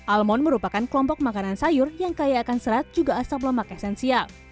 almon merupakan kelompok makanan sayur yang kaya akan serat juga asap lemak esensial